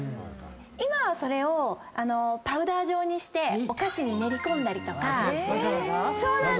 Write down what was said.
今はそれをパウダー状にしてお菓子に練り込んだりとか。